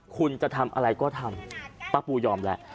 คุณจะทำอะไรก็ทำป้าปูยอมแล้ว